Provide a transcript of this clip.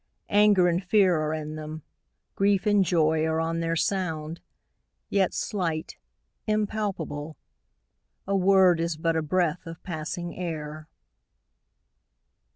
Anger and fear are in them; grief and joy Are on their sound; yet slight, impalpable: A word is but a breath of passing air.